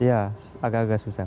ya agak agak susah